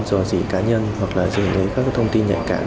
do gì cá nhân hoặc là dùng để lấy các thông tin nhạy cảm